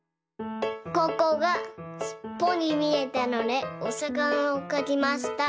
ここがしっぽにみえたのでおさかなをかきました。